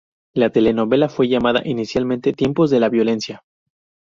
La telenovela fue llamada inicialmente "Tiempos de la violencia".